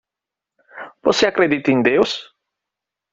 Você acredita em Deus?